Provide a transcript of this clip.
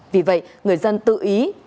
vì vậy người dân tự ý tự phát